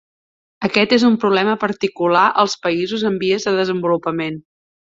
Aquest és un problema particular als països en vies de desenvolupament.